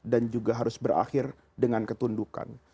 dan juga harus berakhir dengan ketundukan